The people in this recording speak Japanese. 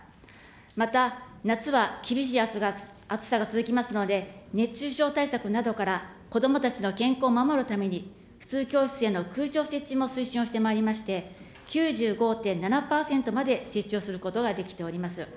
また、夏は厳しい暑さが続きますので、熱中症対策などからこどもたちの健康を守るために、普通教室への空調設置も推進をしてまいりまして、９５．７％まで設置をすることができております。